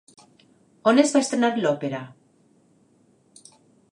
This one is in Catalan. On es va estrenar l'òpera?